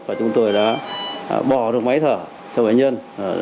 và chúng tôi đã bỏ được máy thở cho bệnh nhân